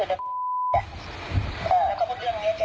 แล้วก็ให้เสียงรับสารภาพ